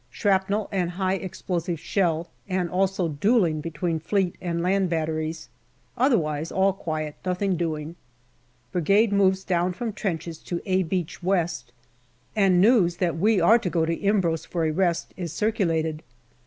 Shrapnel and high explosive shell, and also duelling between Fleet and land batteries. Otherwise all quiet, nothing doing. Brigade moves down from trenches to " A " Beach West, and news that we are to go to Imbros for a rest is circulated.